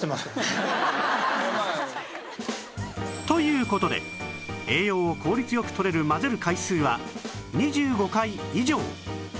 という事で栄養を効率よくとれる混ぜる回数は２５回以上